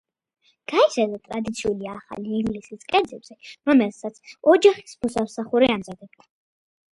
გაიზარდა ტრადიციული ახალი ინგლისის კერძებზე, რომელსაც ოჯახის მოსამსახურე ამზადებდა.